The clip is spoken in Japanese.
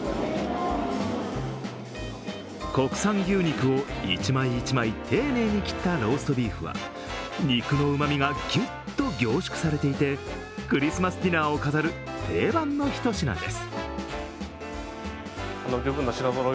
国産牛肉を一枚一枚丁寧に切ったローストビーフは、肉のうまみがギュッと凝縮されていてクリスマスディナーを飾る定番のひと品です。